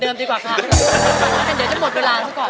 เดี๋ยวจะหมดเวลา